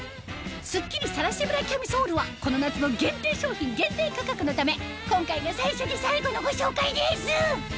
スッキリさらしブラキャミソールはこの夏の限定商品限定価格のため今回が最初で最後のご紹介です